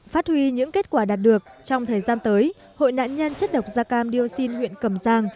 phát huy những kết quả đạt được trong thời gian tới hội nạn nhân chất độc da cam dioxin huyện cầm giang